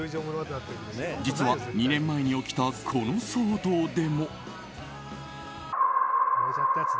実は２年前に起きたこの騒動でも。